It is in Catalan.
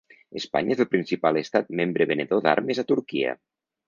Espanya és el principal estat membre venedor d’armes a Turquia.